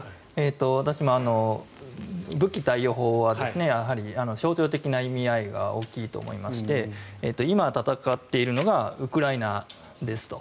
私も武器貸与法はやはり象徴的な意味合いが大きいと思いまして今、戦っているのがウクライナですと。